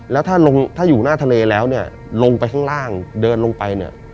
แล้วถ้าลงถ้าอยู่หน้าทะเลแล้วเนี่ยลงไปข้างล่างเดินลงไปเนี่ย